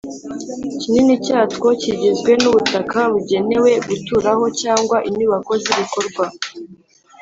Kinini cyatwo kigizwe n ubutaka bugenewe guturaho cyangwa inyubako z ibikorwa